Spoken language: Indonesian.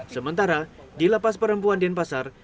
sementara di lapas perempuan dan pasar